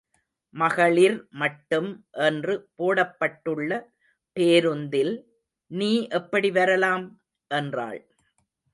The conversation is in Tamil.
மகளிர் மட்டும் என்று போடப்பட்டுள்ள பேருந்தில் நீ எப்படி வரலாம்? என்றாள்.